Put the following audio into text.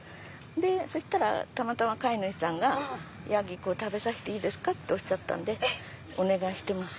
そしたらたまたま飼い主さんが食べさせていいですか？っておっしゃったんでお願いしてます。